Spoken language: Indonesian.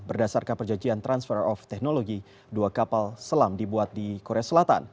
berdasarkan perjanjian transfer of technology dua kapal selam dibuat di korea selatan